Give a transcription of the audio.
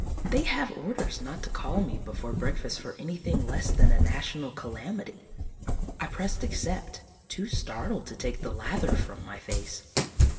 They have orders not to call me before breakfast for anything less than a national calamity. I pressed "Accept," too startled to take the lather from my face.